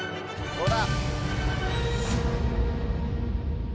どうだ？